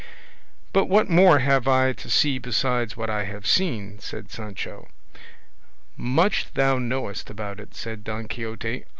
"But what more have I to see besides what I have seen?" said Sancho. "Much thou knowest about it!" said Don Quixote.